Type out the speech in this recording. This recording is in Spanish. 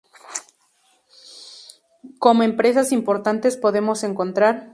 Como empresas importantes podemos encontrar.